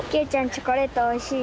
チョコレートおいしい？